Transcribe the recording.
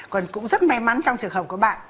còn cũng rất may mắn trong trường hợp các bạn